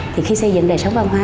thì khi xây dựng đời sống văn hóa